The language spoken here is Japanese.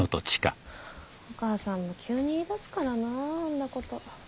お母さんも急に言いだすからなぁあんなこと。